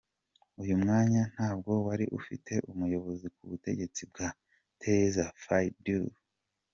Uyu mwanya ntabwo wari ufite umuyobozi ku butegetsi bwa Thérèse Faye Diouf.